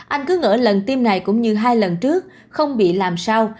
anh cứ ngỡ lần tiêm này cũng như hai lần trước không bị làm sao